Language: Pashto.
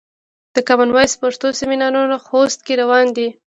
د کامن وایس پښتو سمینارونه خوست کې روان دي.